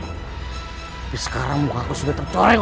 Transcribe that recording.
tapi sekarang muka aku sudah tercoreng